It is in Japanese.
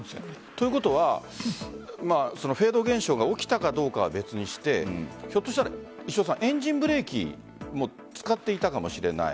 ということはフェード現象が起きたかどうかは別にしてひょっとしたらエンジンブレーキも使っていたかもしれない。